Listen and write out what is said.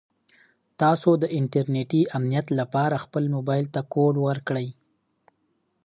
تاسو د انټرنیټي امنیت لپاره خپل موبایل ته کوډ ورکړئ.